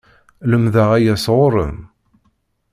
Lemdeɣ aya sɣur-m!